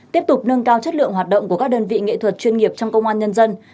tiếp tục nâng cao chất lượng hoạt động của các đơn vị nghệ thuật chuyên nghiệp trong công an nhân dân